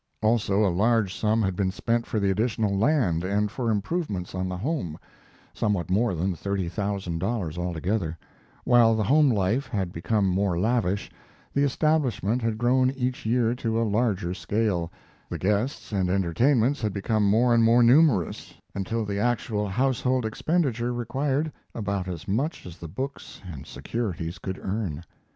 Also, a large sum had been spent for the additional land and for improvements on the home somewhat more than thirty thousand dollars altogether while the home life had become more lavish, the establishment had grown each year to a larger scale, the guests and entertainments had become more and, more numerous, until the actual household expenditure required about as much as the books and securities could earn.